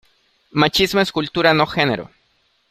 Machismo es cultura no género